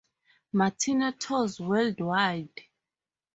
Martino tours worldwide.